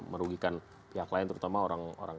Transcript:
merugikan pihak lain terutama orang orang